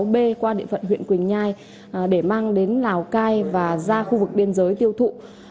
b qua địa phận huyện quỳnh nhai để mang đến lào cai và ra khu vực biên giới tiêu thụ